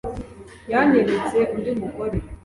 yanyeretse undi mugore